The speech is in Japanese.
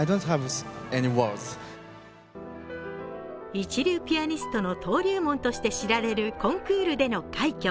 一流ピアニストの登竜門として知られるコンクールでの快挙。